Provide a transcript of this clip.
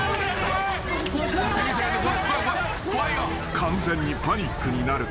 ［完全にパニックになる加藤］